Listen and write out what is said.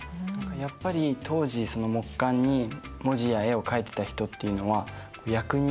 やっぱり当時その木簡に文字や絵をかいてた人っていうのは役人とか。